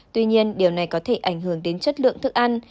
tuy nhiên điều này có thể ảnh hưởng đến chất lượng thức ăn